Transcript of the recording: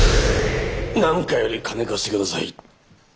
なんかより金貸してください。